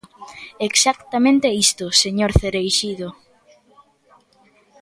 Exactamente isto, señor Cereixido.